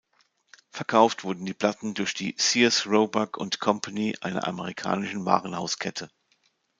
Verkauft wurden die Platten durch die "Sears, Roebuck and Company", einer amerikanischen Warenhauskette.